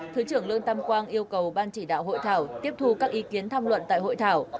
thứ trưởng lương tam quang yêu cầu ban chỉ đạo hội thảo tiếp thu các ý kiến tham luận tại hội thảo